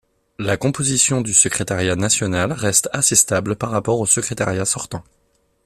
La composition du secrétariat national reste assez stable par rapport au secrétariat sortant.